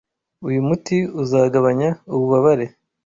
Uyu muti uzagabanya ububabare.